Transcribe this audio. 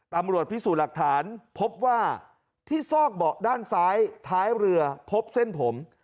ตำรวจพิสูจน์หลักฐานพบว่าที่ซอกเบาะด้านซ้ายท้ายเรือพบเส้นผม